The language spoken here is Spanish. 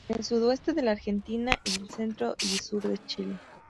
En el sudoeste de la Argentina, y el centro y sur de Chile.